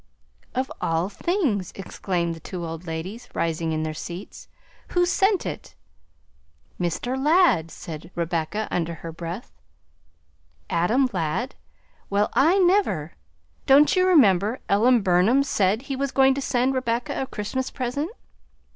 "Of all things!" exclaimed the two old ladies, rising in their seats. "Who sent it?" "Mr. Ladd," said Rebecca under her breath. "Adam Ladd! Well I never! Don't you remember Ellen Burnham said he was going to send Rebecca a Christmas present?